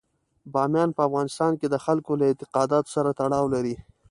بامیان په افغانستان کې د خلکو له اعتقاداتو سره تړاو لري.